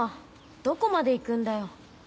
どこまで行くんだよ？